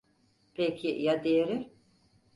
Peki ya diğeri?